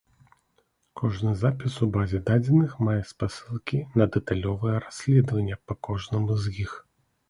Кожны запіс у базе дадзеных мае спасылкі на дэталёвае расследаванне па кожнаму з іх.